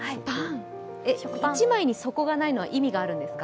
１枚に底がないのは意味があるんですか？